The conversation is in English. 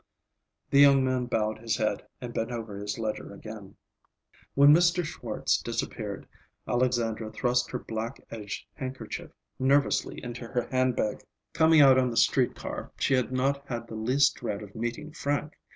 The young man bowed his head and bent over his ledger again. When Mr. Schwartz disappeared, Alexandra thrust her black edged handkerchief nervously into her handbag. Coming out on the streetcar she had not had the least dread of meeting Frank.